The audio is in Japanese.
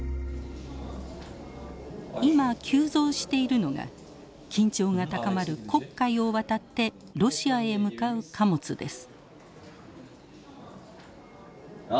今急増しているのが緊張が高まる黒海を渡ってロシアへ向かう貨物です。